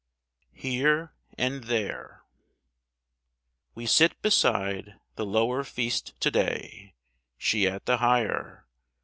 HERE AND THERE. sit beside the lower feast to day ; She at the higher.